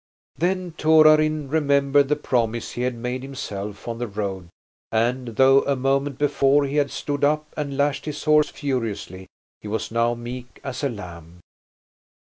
Then Torarin remembered the promise he had made himself on the road and, though a moment before he had stood up and lashed his horse furiously, he was now meek as a lamb.